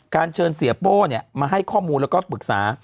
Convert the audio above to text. เชิญเสียโป้มาให้ข้อมูลแล้วก็ปรึกษา